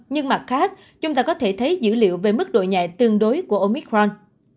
nhưng mặt khác chúng ta có thể thấy dữ liệu về mức độ nhẹ tương đối của omicron